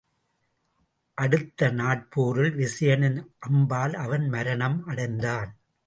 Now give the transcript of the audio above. அடுத்த நாட்போரில் விசயனின் அம்பால் அவன் மரணம் அடைந்தான்.